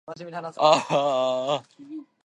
気になる方は是非見てみましょう